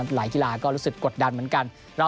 กีฬาก็รู้สึกกดดันเหมือนกัน